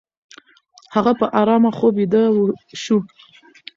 هغه په آرامه خوب ویده شو.